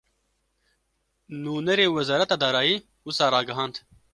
Nûnerê Wezareta Darayî, wisa ragihand